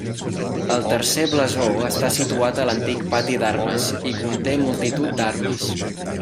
El tercer blasó està situat a l'antic pati d'armes, i conté multitud d'armes.